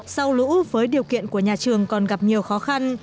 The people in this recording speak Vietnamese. sau lũ với điều kiện của nhà trường còn gặp nhiều khó khăn